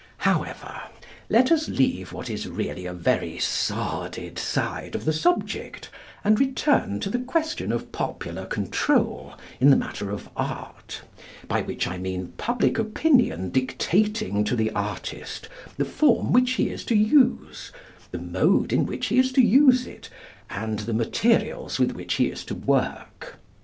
However, let us leave what is really a very sordid side of the subject, and return to the question of popular control in the matter of Art, by which I mean Public Opinion dictating to the artist the form which he is to use, the mode in which he is to use it, and the materials with which he is to work.